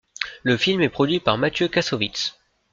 Le film est produit par Mathieu Kassovitz.